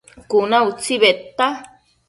Cuna utsi bedta